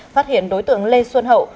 phát hiện đối tượng lê xuân hậu